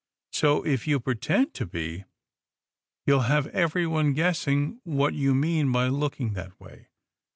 So, if you pretend to be, you'll have everyone guessing what you mean by looking that way.